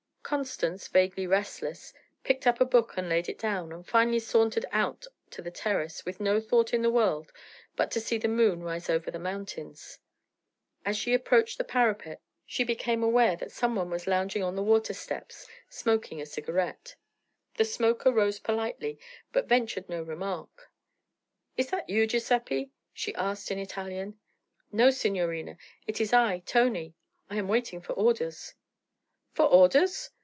Constance, vaguely restless, picked up a book and laid it down, and finally sauntered out to the terrace with no thought in the world but to see the moon rise over the mountains. As she approached the parapet she became aware that some one was lounging on the water steps smoking a cigarette. The smoker rose politely but ventured no remark. 'Is that you, Giuseppe?' she asked in Italian. 'No, signorina. It is I Tony. I am waiting for orders.' 'For orders!'